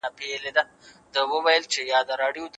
شاعران په شعر کې نوي ترکیبات پیدا کوي.